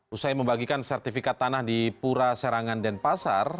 usai membagikan sertifikat tanah di pura serangan dan pasar